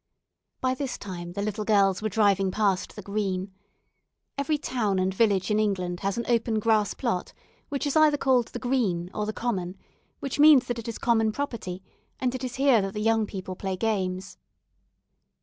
By this time the little girls were driving past the "Green." Every town and village in England has an open grass plot which is either called the "Green" or the "Common," which means that it is common property, and it is here that the young people play games.